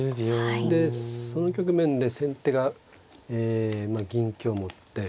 でその局面で先手が銀香持って。